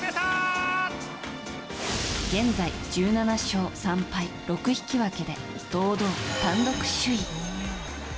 現在、１７勝３敗６引き分けで堂々、単独首位。